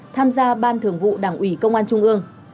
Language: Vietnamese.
tham gia ban thường vụ đảng ủy công an trung ương